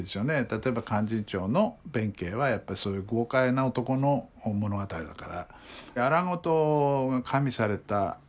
例えば「勧進帳」の弁慶はやっぱりそういう豪快な男の物語だから。